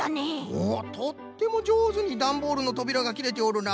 おっとってもじょうずにダンボールのとびらがきれておるな。